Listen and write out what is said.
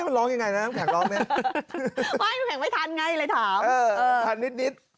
เอ๊ะมันร้องยังไงนะมันแข็งร้องไหมไม่มันแข็งไม่ทันไงเลยถาม